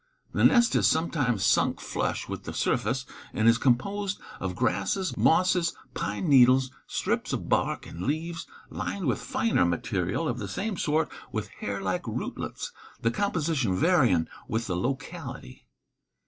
The nest is sometimes sunk flush with the surface, and is composed of grasses, mosses, pine needles, strips of bark and leaves, lined with finer material of the same sort and with hair like rootlets, the composition varying with the locality.